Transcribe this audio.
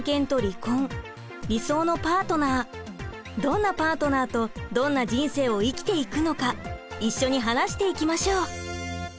どんなパートナーとどんな人生を生きていくのか一緒に話していきましょう。